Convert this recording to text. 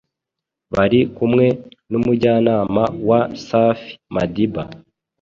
bari kumwe n’umujyanama wa safi madiba